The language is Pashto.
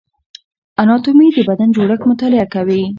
اناتومي د بدن جوړښت مطالعه کوي